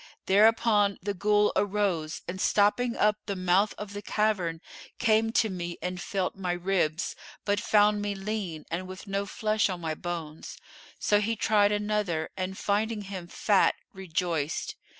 Thereupon the Ghul arose and stopping up the mouth of the cavern came to me and felt my ribs, but found me lean and with no flesh on my bones: so he tried another and finding him fat, rejoiced.